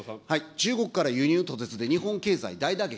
中国から輸入途絶で日本経済大打撃。